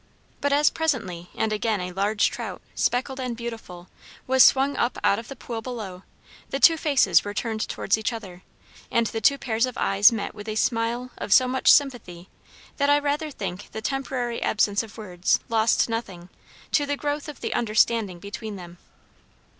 But as presently and again a large trout, speckled and beautiful, was swung up out of the pool below, the two faces were turned towards each other, and the two pairs of eyes met with a smile of so much sympathy, that I rather think the temporary absence of words lost nothing to the growth of the understanding between them.